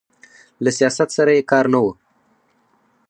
له سیاست سره یې کار نه و.